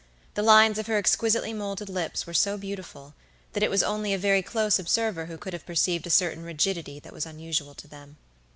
The lines of her exquisitely molded lips were so beautiful, that it was only a very close observer who could have perceived a certain rigidity that was unusual to them.